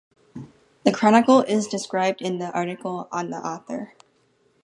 The chronicle is described in the article on the author.